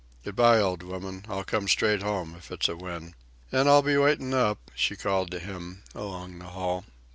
Good bye, old woman. I'll come straight home if it's a win." "An' I'll be waitin' up," she called to him along the hall.